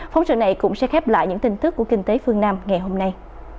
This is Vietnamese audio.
phóng sự này cũng sẽ khép lại những tin tức của kinh tế phương nam ngày hôm nay